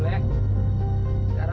ini hal kesehatan